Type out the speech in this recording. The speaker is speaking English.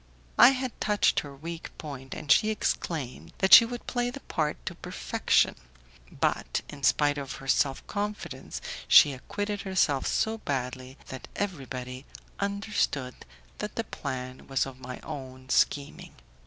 I had touched her weak point, and she exclaimed that she would play the part to perfection; but in spite of her self confidence she acquitted herself so badly that everybody understood that the plan was of my own scheming.